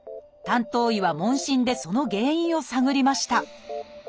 担当医は問診でその原因を探りました。